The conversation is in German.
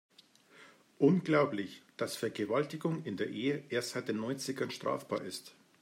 Unglaublich, dass Vergewaltigung in der Ehe erst seit den Neunzigern strafbar ist.